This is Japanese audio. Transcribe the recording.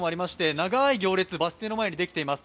長い行列、バス停の前にできています。